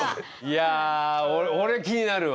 いやあ俺気になるわ。